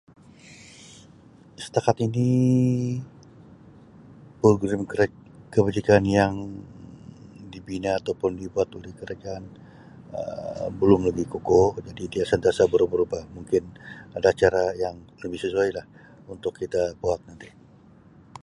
Setakat ini program [unintelligible] kebajikan yang dibina atau dibuat oleh kerajaan Um belum lagi kukuh jadi dia sentiasa berubah-rubah mungkin ada cara yang lebih sesuailah untuk kita buat nanti.